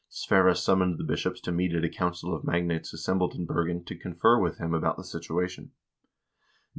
Sverre summoned the bishops to meet at a council of magnates assembled in Bergen to confer with him about the situation.